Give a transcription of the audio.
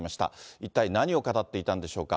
一体何を語っていたんでしょうか。